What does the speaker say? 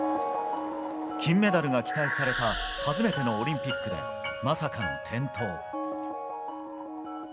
金メダルが期待された初めてのオリンピックでまさかの転倒。